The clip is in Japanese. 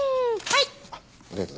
はい。